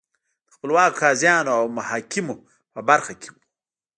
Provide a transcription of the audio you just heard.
د خپلواکو قاضیانو او محاکمو په برخه کې وو